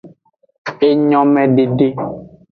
Enyomedede.